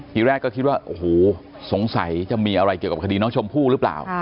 ทีแรกก็คิดว่าโอ้โหสงสัยจะมีอะไรเกี่ยวกับคดีน้องชมพู่หรือเปล่า